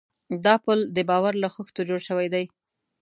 دا پُل د باور له خښتو جوړ شوی دی.